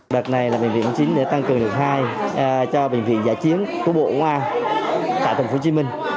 đợt này là bệnh viện chín mươi chín để tăng cường lực hai cho bệnh viện giả chiến của bộ công an tại tp hcm